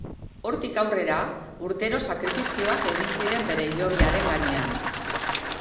Hortik aurrera urtero sakrifizioak egin ziren bere hilobiaren gainean.